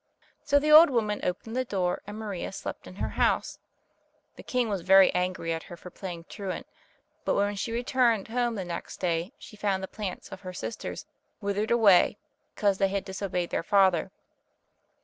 So the old woman opened the door and Maria slept in her house. The king was very angry at her for playing truant, but when she returned home the next day, she found the plants of her sisters withered away, because they had disobeyed their father.